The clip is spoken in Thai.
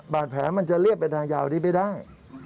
บาดแผลมันจะเรียบไปทางยาวนี้ไม่ได้